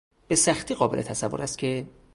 به سختی قابل تصور است که...